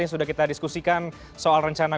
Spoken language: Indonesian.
yang sudah kita diskusikan soal rencana